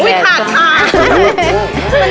พี่ดาขายดอกบัวมาตั้งแต่อายุ๑๐กว่าขวบ